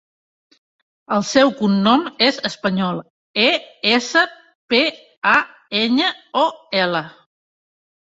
El seu cognom és Español: e, essa, pe, a, enya, o, ela.